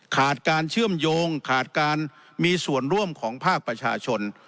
ขาดการเชื่อมโยงขาดการมีส่วนร่วมของภาคประชาชน